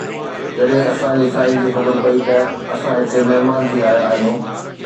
جڏهن اسان جي ساٿين کي خبر پئي ته اسان هتي مهمان ٿي آيا آهيون